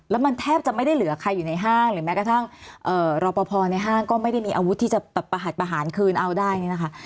แล้วมันแทบจะไม่ได้เหลือใครอยู่ในห้างหรือแม้กระทั่งรอปภในห้างก็ไม่ได้มีอาวุธที่จะแบบประหัดประหารคืนเอาได้เนี่ยนะคะ